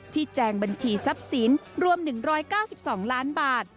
แจงบัญชีทรัพย์สินรวม๑๙๒ล้านบาท